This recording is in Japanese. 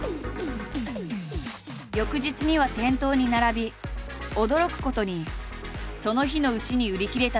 翌日には店頭に並び驚くことにその日のうちに売り切れたという。